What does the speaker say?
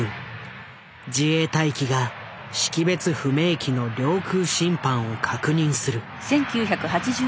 自衛隊機が識別不明機の領空侵犯を確認する。